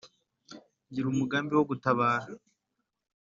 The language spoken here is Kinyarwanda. ngira umugambi wo gutabara